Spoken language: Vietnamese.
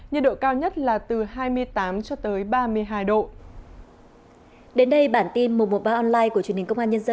nhiệt độ cao nhất là từ hai mươi tám cho tới ba mươi hai độ